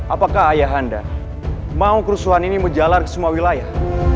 apakah ayah anda mau kerusuhan ini menjalar ke semua wilayah